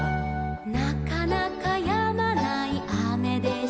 「なかなかやまないあめでした」